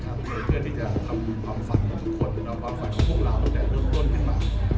เพื่อที่จะทำบุญความฝันของทุกคนเป็นความฝันของพวกเราตั้งแต่เริ่มต้นขึ้นมา